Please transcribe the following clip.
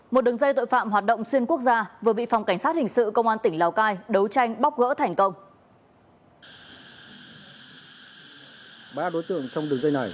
một đường dây tội phạm hoạt động xuyên quốc gia vừa bị phòng cảnh sát hình sự công an tỉnh lào cai đấu tranh bóc gỡ thành công